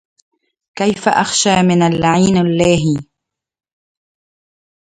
كيف أخشى من اللعين اللاهي